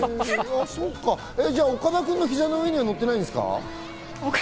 じゃあ、岡田くんの膝の上には乗ってないんですか？